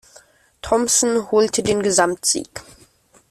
Thompson holte den Gesamtsieg.